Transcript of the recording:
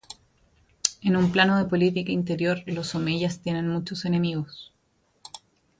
En un plano de política interior, los Omeyas tienen muchos enemigos.